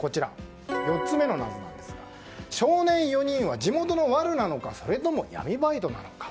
４つ目の謎なんですが少年４人は地元のワルなのかそれとも闇バイトなのか。